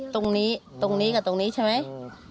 ตรงนี้กับตรงนี้ใช่ไหม